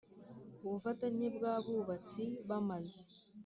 ubufatanye bw abubatsi b Amazu